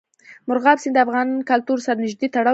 مورغاب سیند د افغان کلتور سره نږدې تړاو لري.